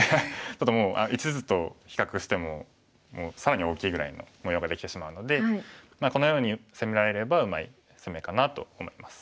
ちょっともう１図と比較しても更に大きいぐらいの模様ができてしまうのでこのように攻められればうまい攻めかなと思います。